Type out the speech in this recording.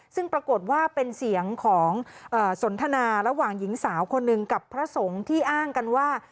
ซึ่งปรากฏว่าเป็นเสียงของสนทนาระหว่างหญิงสาวคนหนึ่งกับพระสงฆ์ที่อ้างกันว่า